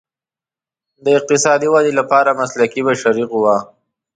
د اقتصادي ودې لپاره مسلکي بشري قوه.